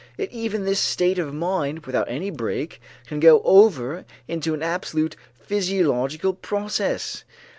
Yet even this state of mind, without any break, can go over into an absolutely physiological process.